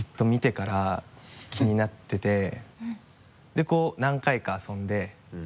でこう何回か遊んで。